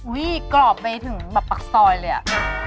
อุ้ยกรอบไปถึงปักซอยเลยอะ